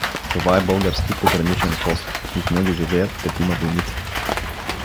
Това е български пограничен пост и в него живеят петима войници.